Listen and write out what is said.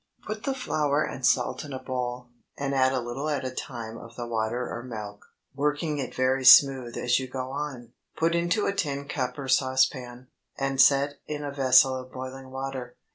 Put the flour and salt in a bowl, and add a little at a time of the water or milk, working it very smooth as you go on. Put into a tin cup or saucepan, and set in a vessel of boiling water.